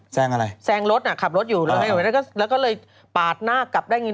แซงอะไรแซงรถอ่ะขับรถอยู่เลยแล้วก็เลยปาดหน้ากลับได้ไง